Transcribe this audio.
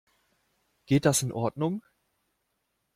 Geht das in Ordnung?